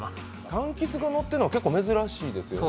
柑橘がのつてるのは結構珍しいですよね